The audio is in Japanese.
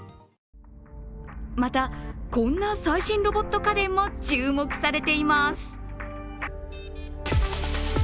また、こんな最新ロボット家電も注目されています。